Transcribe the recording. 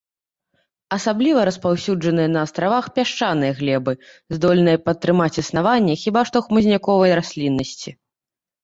Асабліва распаўсюджаныя на астравах пясчаныя глебы, здольныя падтрымаць існаванне хіба што хмызняковай расліннасці.